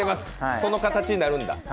その形になるんだ。